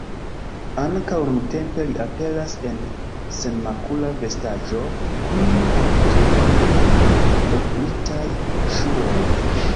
Ankaŭ nuntempe li aperas en senmakula vestaĵo, kun aktujo, brile poluritaj ŝuoj.